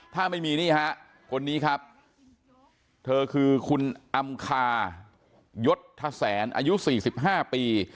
ถ้าไม่มีคนนี้ครับเธอคือคุณอำคายศศอายุ๔๕ปี